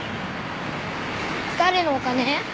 誰のお金？